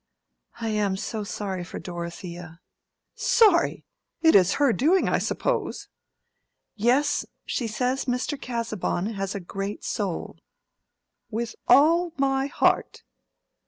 "I am so sorry for Dorothea." "Sorry! It is her doing, I suppose." "Yes; she says Mr. Casaubon has a great soul." "With all my heart."